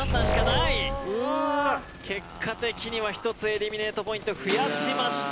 結果的には１つエリミネートポイント増やしました。